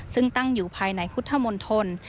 ซึ่งตั้งอยู่ภายในพุทธมนตร